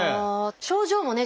症状もね